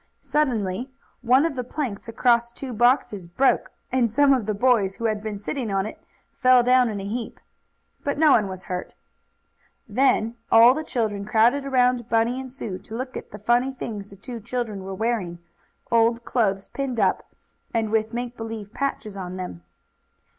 Suddenly one of the planks, across two boxes, broke, and some of the boys, who had been sitting on it, fell down in a heap. But no one was hurt. Then all the children crowded around Bunny and Sue to look at the funny things the two children were wearing old clothes, pinned up, and with make believe patches on them.